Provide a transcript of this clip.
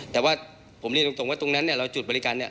แต่ว่าผมเรียนตรงว่าตรงนั้นเนี่ยเราจุดบริการเนี่ย